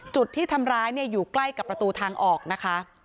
จุดที่ทำร้ายอยู่ใกล้กับประตูทางออกนะคะ